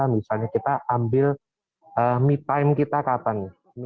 misalnya kita ambil me time kita kapan